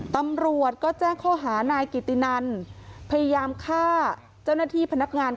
ตำรวจก็แจ้งข้อหานายกิตินันพยายามฆ่าเจ้าหน้าที่พนักงาน